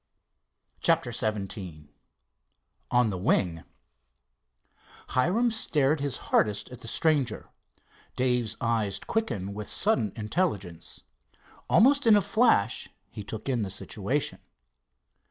CHAPTER XVII ON THE WING Hiram stared his hardest at the stranger, Dave's eyes quickened with sudden intelligence. Almost in a flash he took in the situation.